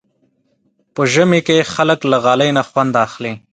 په ژمي کې خلک له غالۍ نه خوند اخلي.